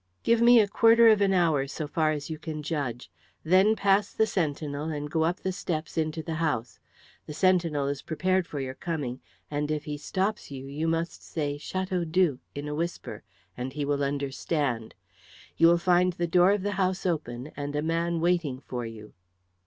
"Give me a quarter of an hour so far as you can judge. Then pass the sentinel and go up the steps into the house. The sentinel is prepared for your coming, and if he stops you, you must say 'Chateaudoux' in a whisper, and he will understand. You will find the door of the house open and a man waiting for you."